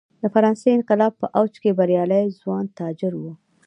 د فرانسې انقلاب په اوج کې بریالي ځوان تاجر و.